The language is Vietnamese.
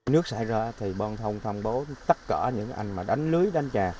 nước xảy ra thì bon thông thông bố tất cả những anh mà đánh lưới đánh trà